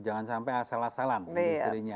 jangan sampai asal asalan industri nya